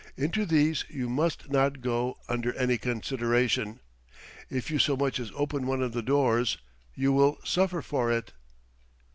Into these you must not go under any consideration. If you so much as open one of the doors, you will suffer for it."